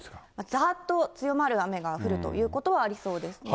ざーっと強まる雨が降るということはありそうですね。